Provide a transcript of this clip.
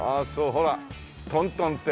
ほら「トントン亭」